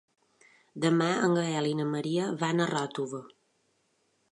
Demà en Gaël i na Maria van a Ròtova.